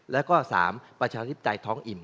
แล้วก็๓ประชาธิปไตยท้องอิ่ม